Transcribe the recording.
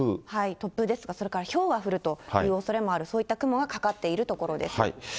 突風ですとか、それからひょうが降るというおそれもある、そういった雲がかかっている所です。